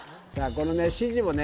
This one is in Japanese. このね指示もね